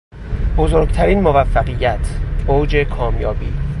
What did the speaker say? بزرگترین موفقیت، اوج کامیابی